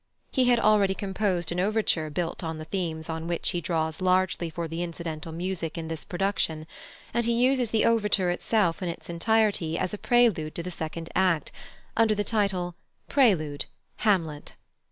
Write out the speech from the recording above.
He had already composed an overture built on the themes on which he draws largely for the incidental music in this production, and he uses the overture itself in its entirety as a prelude to the second act, under the title "Prelude, Hamlet."